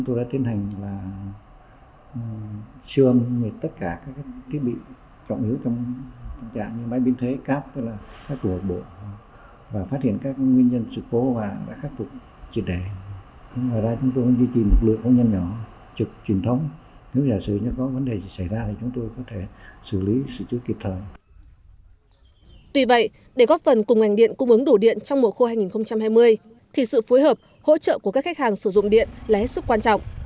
tuy vậy để góp phần cùng ngành điện cung ứng đổ điện trong mùa khô hai nghìn hai mươi thì sự phối hợp hỗ trợ của các khách hàng sử dụng điện là hết sức quan trọng